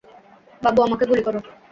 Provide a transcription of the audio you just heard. বাবু, আমাকে গুলি করো!